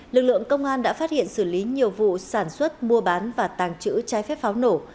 lực lượng công an đã phát hiện xử lý nhiều vụ sản xuất mua bán và tàng trữ trái phép pháo nổ